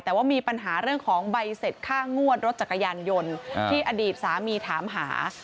แต่ว่ามีปัญหาเรื่องของใบเสร็จค่างวดรถจักรยานยนต์ที่อดีตสามีถามหา